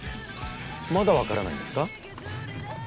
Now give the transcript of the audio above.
まだわからないんですか？